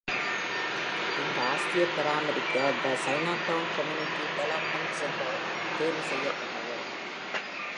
இந்த ஆஸ்தியைப் பராமரிக்க The Chinatown Community Development Center தேர்வு செய்யப்பட்டது.